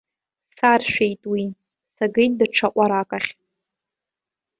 Саршәит уи, сагеит даҽа ҟәарак ахь.